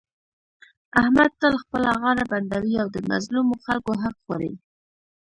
احمد تل خپله غاړه بندوي او د مظلومو خلکو حق خوري.